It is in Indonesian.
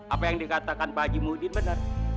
apa yang dikatakan pak haji mudin benar